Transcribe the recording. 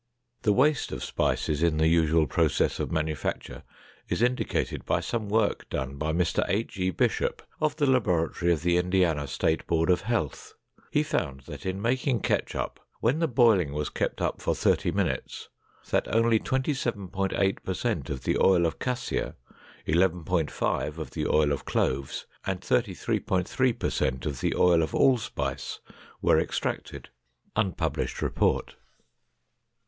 The waste of spices in the usual process of manufacture is indicated by some work done by Mr. H. E. Bishop of the laboratory of the Indiana State Board of Health. He found that in making ketchup, when the boiling was kept up for thirty minutes, that only 27.8 per cent of the oil of cassia, 11.5 of the oil of cloves, and 33.3 per cent of the oil of allspice were extracted. (Unpublished report.)